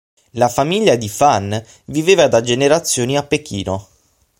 La famiglia di Fan viveva da generazioni a Pechino.